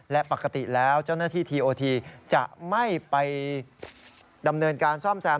และปกติแล้วเจ้าหน้าที่ทีโอทีจะไม่ไปดำเนินการซ่อมแซม